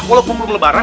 walaupun belum lebaran